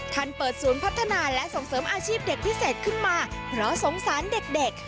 ท่านเปิดศูนย์พัฒนาและส่งเสริมอาชีพเด็กพิเศษขึ้นมาเพราะสงสารเด็ก